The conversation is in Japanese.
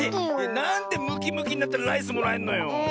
なんでムキムキになったらライスもらえんのよ。